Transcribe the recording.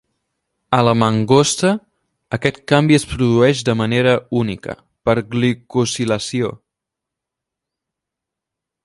A la mangosta, aquest canvi es produeix de manera única, per glicosilació.